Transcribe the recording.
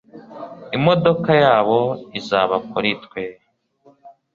Imodoka yabo izaba kuri twe